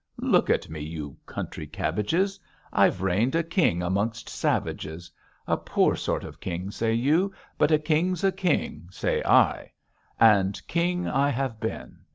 Look at me, you country cabbages! I've reigned a king amongst savages. A poor sort of king, say you; but a king's a king, say I; and king I have been.